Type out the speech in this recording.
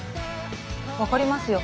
分かりますよ。